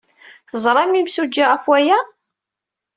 Teẓram imsujji ɣef waya?